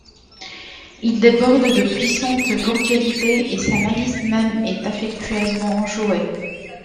Il déborde de puissante cordialité et sa malice même est affectueusement enjouée.